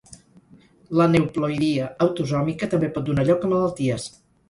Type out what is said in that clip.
L'aneuploïdia autosòmica també pot donar lloc a malalties.